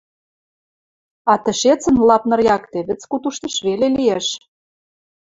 а тӹшецӹн Лапныр якте вӹц-куд уштыш веле лиэш…